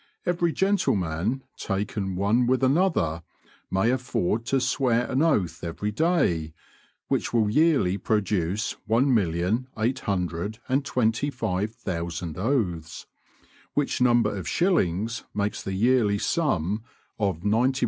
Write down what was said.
Every gentleman, taken one with another, may afford to swear an oath every day, which will yearly produce one million eight hundred and twenty five thousand oaths; which number of shillings makes the yearly sum of £91,250.